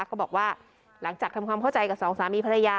ก็บอกว่าหลังจากทำความเข้าใจกับสองสามีภรรยา